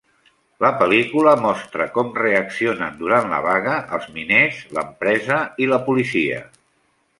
La pel·lícula mostra com reaccionen durant la vaga els miners, l'empresa i la policia.